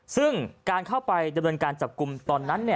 ซึ่งการเข้าไปดำเนินการจับกลุ่มตอนนั้น